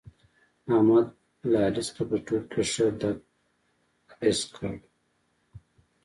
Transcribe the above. احمد له علي څخه په ټوکو کې ښه دپ اسک کړ.